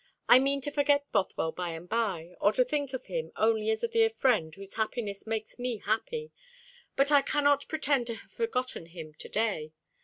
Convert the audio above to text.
"I mean to forget Bothwell by and by, or to think of him only as a dear friend whose happiness makes me happy; but I cannot pretend to have forgotten him to day.